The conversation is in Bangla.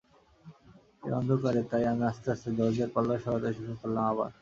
এই অন্ধকারে তাই আমি আস্তে আস্তে দরজার পাল্লা সরাতে শুরু করলাম আবার।